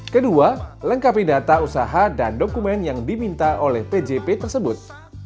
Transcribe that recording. kedua lengkapi data usaha dan dokumen yang diminta oleh pjp tersebut